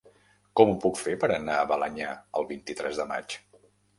Com ho puc fer per anar a Balenyà el vint-i-tres de maig?